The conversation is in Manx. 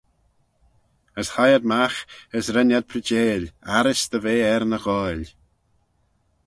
As hie ad magh, as ren ad preaçheil, arrys dy ve er ny ghoaill.